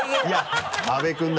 阿部君だ！